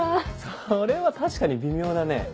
それは確かに微妙だね。